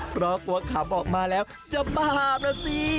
เพราะกลัวขับออกมาแล้วจะบาปนะสิ